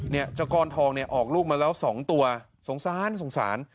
เจ้าก้อนทองเนี่ยออกลูกมาแล้วสองตัวสงสารสงสาร